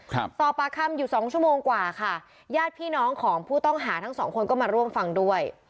สอบปากคำอยู่สองชั่วโมงกว่าค่ะญาติพี่น้องของผู้ต้องหาทั้งสองคนก็มาร่วมฟังด้วย